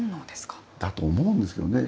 だと思うんですけどね。